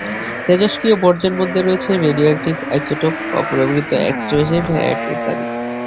তেজস্ক্রিয় বর্জ্যের মধ্যে রয়েছে radioactive isotope, অব্যবহূত এক্স-রে মেশিন হেড ইত্যাদি।